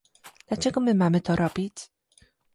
Dlaczego my mamy to robić?